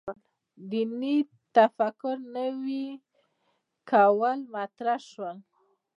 دیني تفکر نوي کول مطرح شو.